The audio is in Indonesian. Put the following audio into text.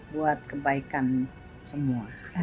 buat kebaikan semua